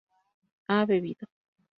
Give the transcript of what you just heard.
ha bebido